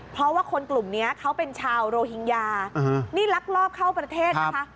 เพราะว่าคนกลุ่มนี้เขาเป็นชาวโรฮิงญานี่ลักลอบเข้าประเทศนะคะ